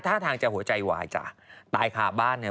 ท่าทางจะหัวใจวายจ้ะตายขาบ้านเนี่ย